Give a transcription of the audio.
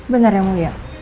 benar yang mulia